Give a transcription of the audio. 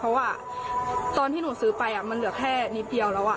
เพราะว่าตอนที่หนูซื้อไปมันเหลือแค่นิดเดียวแล้ว